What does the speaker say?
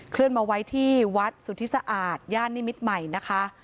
เลื่อนมาไว้ที่วัดสุธิสะอาดย่านนิมิตรใหม่นะคะ